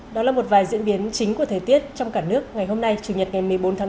đó là một vài diễn biến chính của thời tiết trong cả nước ngày hôm nay chủ nhật ngày một mươi bốn tháng năm